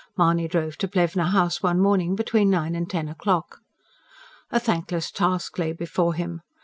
Mahony drove to Plevna House one morning between nine and ten o'clock. A thankless task lay before him.